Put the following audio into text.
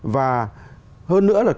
và hơn nữa là